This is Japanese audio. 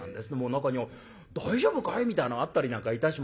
中には「大丈夫かい？」みたいなのあったりなんかいたします。